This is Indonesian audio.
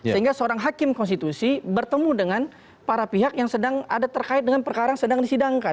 sehingga seorang hakim konstitusi bertemu dengan para pihak yang sedang ada terkait dengan perkara yang sedang disidangkan